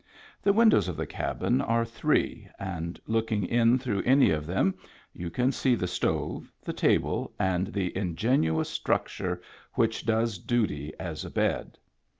The windows of the cabin are three, and looking in through any of them you can see the stove, the table, and the ingenuous structure which does duty as a bed.